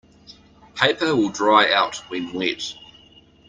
Paper will dry out when wet.